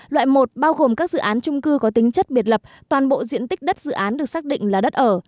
loại một bao gồm các dự án trung cư có tính chất biệt lập toàn bộ diện tích đất dự án được xác định là đất ở